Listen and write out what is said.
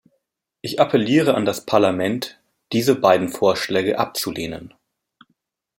Ich appelliere an das Parlament, diese beiden Vorschläge abzulehnen.